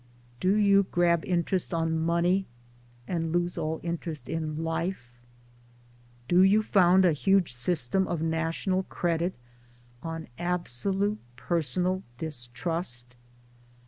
Do you grab interest on Money and lose all interest 22 Towards Democracy in Life ? Do you found a huge system of national Credit on absolute personal Distrust